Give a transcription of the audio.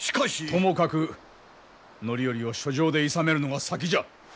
ともかく範頼を書状でいさめるのが先じゃ。